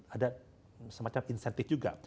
ada semacam insentif juga